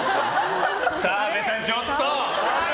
澤部さん、ちょっと！